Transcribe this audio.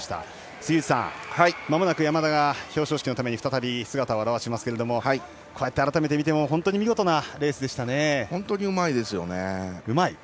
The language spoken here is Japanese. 杉内さん、まもなく山田が表彰式のために再び姿を現しますけれどもこうやって、改めて見ても本当にうまいですよね。